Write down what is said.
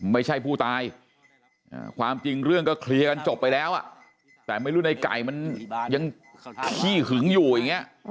ไม่ใช่ผู้ตายความจริงเรื่องก็เคลียร์กันจบไปแล้วแต่ไม่รู้ในไก่มันยังขี้หึงอยู่อย่างนี้